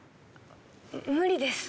無理です。